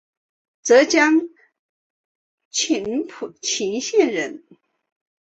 浙江鄞县人。